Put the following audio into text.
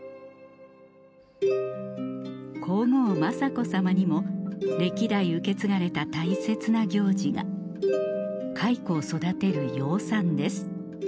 皇后雅子さまにも歴代受け継がれた大切な行事が蚕を育てる養蚕です